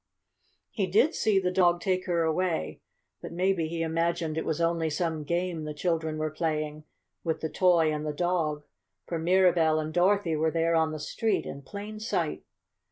He did see the dog take her away, but maybe he imagined it was only some game the children were playing with the toy and the dog, for Mirabell and Dorothy were there on the street, in plain sight.